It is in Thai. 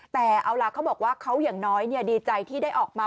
แต่เอาล่ะเขาบอกว่าเขาอย่างน้อยดีใจที่ได้ออกมา